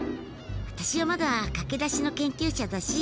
私はまだ駆け出しの研究者だし。